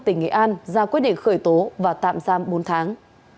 tỉnh nghệ an ra quyết định khởi tố và tạm giam bốn tháng